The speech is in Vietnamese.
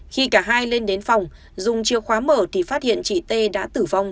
khi cả hai lên đến phòng dùng chiêu khóa mở thì phát hiện chị t đã tử vong